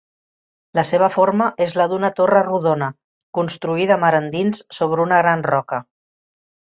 La seva forma és la d'una torre rodona, construïda mar endins sobre una gran roca.